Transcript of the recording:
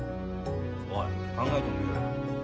おい考えてもみろよ。